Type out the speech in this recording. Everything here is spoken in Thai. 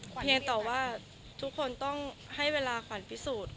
เพียงแต่ว่าทุกคนต้องให้เวลาขวัญพิสูจน์